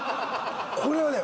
これはね